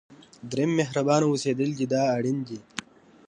دریم مهربانه اوسېدل دی دا اړین دي.